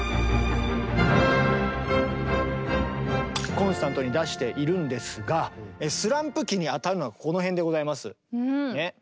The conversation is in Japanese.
コンスタントに出しているんですがスランプ期にあたるのがこの辺でございます。